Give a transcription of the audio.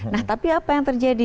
nah tapi apa yang terjadi